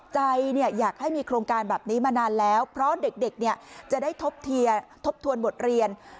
อยากให้มีโครงการแบบนี้มานานแล้วเพราะเด็กจะได้ทบทวนบทเรียน